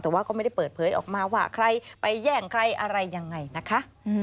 แต่ว่าก็ไม่ได้เปิดเผยออกมาว่าใครไปแย่งใครอะไรยังไงนะคะ